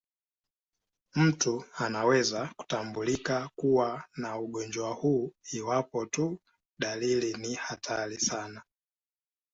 Mtu anaweza kutambulika kuwa na ugonjwa huu iwapo tu dalili ni hatari sana.